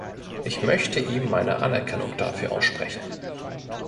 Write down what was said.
Ich möchte ihm meine Anerkennung dafür aussprechen.